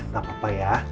gak apa apa ya